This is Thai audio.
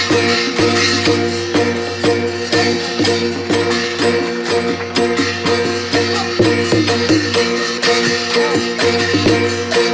ใจด้วยก้องเจ้าเพราะรัก